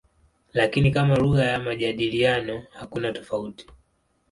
Lakini kama lugha ya majadiliano hakuna tofauti.